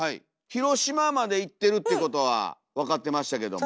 広島まで行ってるってことは分かってましたけども。